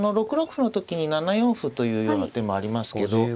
６六歩の時に７四歩というような手もありますけど。